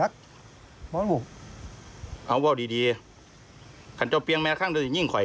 หลักบอกลรบเอาบอกดีขนเจ้าเปล่งแมวข้างเจ้าจะยิ่งไข่